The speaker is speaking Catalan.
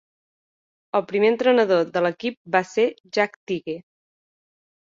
El primer entrenador de l'equip va ser Jack Tighe.